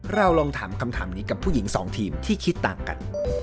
เราลองถามคำถามนี้กับผู้หญิงสองทีมที่คิดต่างกัน